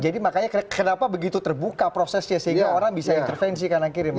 jadi makanya kenapa begitu terbuka prosesnya sehingga orang bisa intervensi karena kiriman